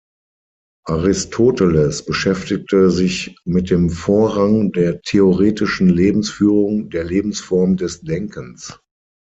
Aristoteles beschäftigte sich mit dem Vorrang der theoretischen Lebensführung, der Lebensform des Denkens.